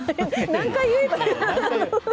何回言えば。